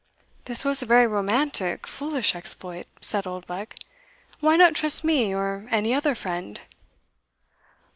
"This was a very romantic, foolish exploit," said Oldbuck: "why not trust me, or any other friend?"